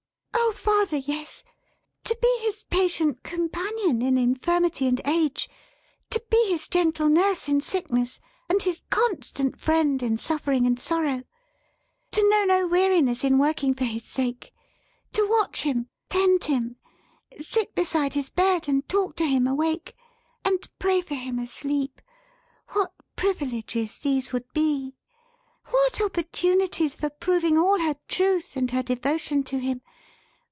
"Oh father, yes! To be his patient companion in infirmity and age; to be his gentle nurse in sickness, and his constant friend in suffering and sorrow; to know no weariness in working for his sake; to watch him, tend him; sit beside his bed, and talk to him, awake; and pray for him asleep; what privileges these would be! What opportunities for proving all her truth and her devotion to him!